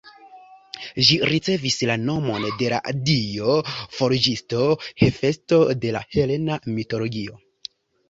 Ĝi ricevis la nomon de la dio forĝisto Hefesto, de la helena mitologio.